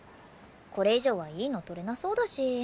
これ以上はいいの撮れなそうだし。